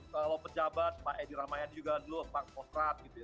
kalau pejabat pak edi rahmayadi juga dulu pak kosrat gitu ya